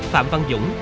phạm văn dũng